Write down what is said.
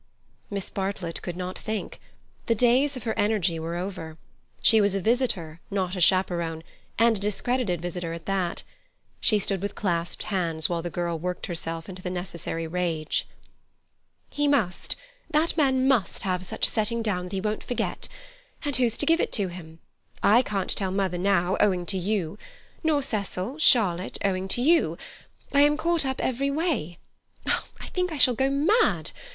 Miss Bartlett could not think. The days of her energy were over. She was a visitor, not a chaperon, and a discredited visitor at that. She stood with clasped hands while the girl worked herself into the necessary rage. "He must—that man must have such a setting down that he won't forget. And who's to give it him? I can't tell mother now—owing to you. Nor Cecil, Charlotte, owing to you. I am caught up every way. I think I shall go mad.